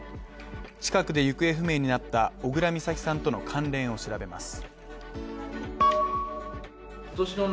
近くで行方不明になった小倉美咲さんとの関連を調べます。